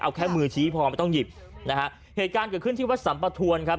เอาแค่มือชี้พอไม่ต้องหยิบนะฮะเหตุการณ์เกิดขึ้นที่วัดสัมปะทวนครับ